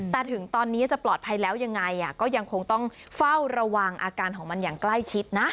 แต่ถึงตอนนี้จะปลอดภัยแล้วยังไงก็ยังคงต้องเฝ้าระวังอาการของมันอย่างใกล้ชิดนะ